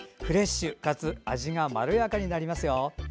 フレッシュかつ味がまろやかになりますよ。